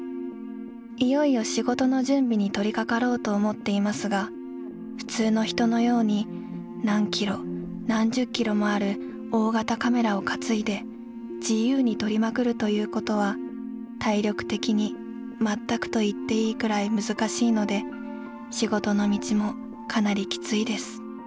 いよいよ仕事の準備にとりかかろうと思っていますが普通の人のように何キロ何十キロもある大型カメラをかついで自由に撮りまくるということは体力的に全くといっていいくらいむずかしいので仕事の道もかなりきついです。